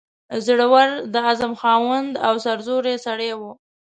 زړه ور، د عزم خاوند او سرزوری سړی وو.